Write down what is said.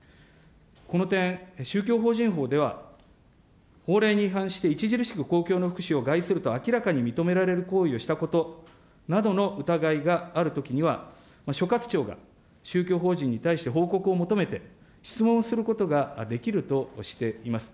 この点、宗教法人法では、法令に違反して著しく公共の福祉を害すると明らかに認められる行為をしたことなどの疑いがあるときには、所轄庁が宗教法人に対して報告を求めて、質問することができるとしています。